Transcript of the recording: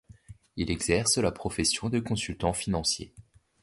Il exerce la profession de consultant financier.